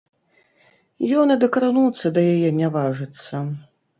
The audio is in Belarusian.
Ён і дакрануцца да яе не важыцца.